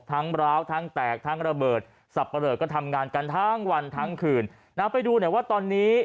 ทั้งเบราะทั้งแตกทั้งระเบิดสับประเหลิกก็ทำงานกันทั้งวันทั้งคืนแล้วไปดูเนี่ยว่าตอนนี้